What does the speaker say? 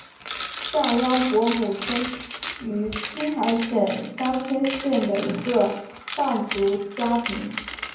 降央伯姆生于青海省囊谦县的一个藏族家庭。